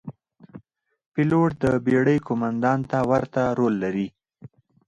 پیلوټ د بېړۍ قوماندان ته ورته رول لري.